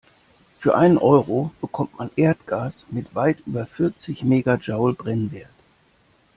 Für einen Euro bekommt man Erdgas mit weit über vierzig Megajoule Brennwert.